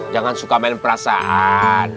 jangan suka main perasaan